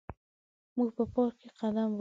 موږ په پارک کې قدم وهو.